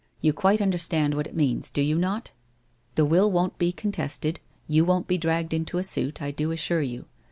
You quite understand what it means, do you not ? The will won't be contested, you won't be dragged into a suit, I do assure you.